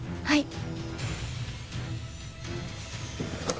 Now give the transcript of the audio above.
はい。